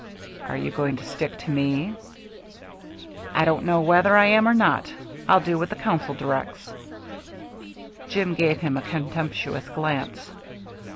"Are you going to stick to me?" "I don't know whether I am or not. I'll do what the Council directs." Jim gave him a contemptuous glance.